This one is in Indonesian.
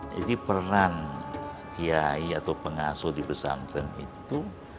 jadi peran hiayi atau pengasuh di pesantren itu